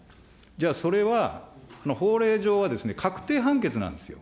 じゃあ、それは法令上は確定判決なんですよ。